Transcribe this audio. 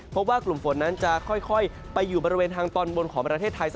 เพราะว่ากลุ่มฝนนั้นจะค่อยไปอยู่บริเวณทางตอนบนของประเทศไทย